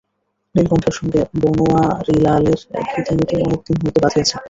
নীলকণ্ঠের সঙ্গে বনোয়ারিলালের খিটিমিটি অনেকদিন হইতে বাধিয়াছে।